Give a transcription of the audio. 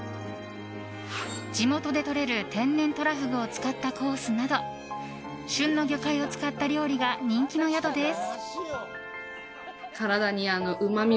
地元でとれる天然トラフグを使ったコースなど旬の魚介を使った料理が人気の宿です。